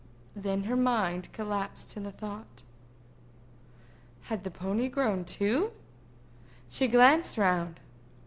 Then her mind collapsed to the thought—had the pony grown too? She glanced round.